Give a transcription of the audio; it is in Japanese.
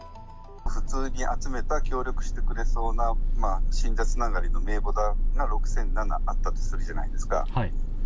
普通に集めた、協力してくれそうな信者つながりの名簿が６００７あったとするじゃないですか。